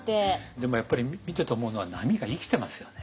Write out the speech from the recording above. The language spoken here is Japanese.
でもやっぱり見てて思うのは波が生きてますよね。